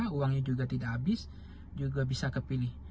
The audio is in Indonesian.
terbatasan tidak terlalu banyak uangnya uangnya juga tidak habis juga bisa kepilih